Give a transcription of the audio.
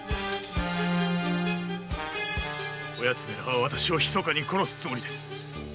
こ奴めらは私をひそかに殺すつもりです。